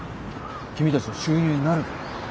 君たちの収入になるから。